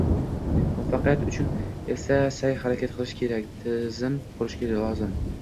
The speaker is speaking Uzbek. muvaffaqiyat uchun esa sa’y-harakat qilish kerak, tizim qurish lozim.